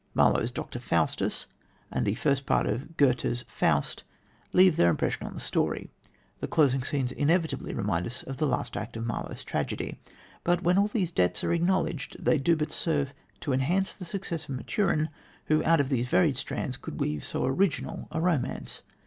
Marlowe's Dr. Faustus and the first part of Goethe's Faust left their impression on the story. The closing scenes inevitably remind us of the last act of Marlowe's tragedy. But, when all these debts are acknowledged they do but serve to enhance the success of Maturin, who out of these varied strands could weave so original a romance.